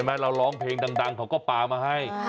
เห็นไหมเราร้องเพลงดังเขาก็ปลามาให้